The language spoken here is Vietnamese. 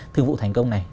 thương vụ thành công này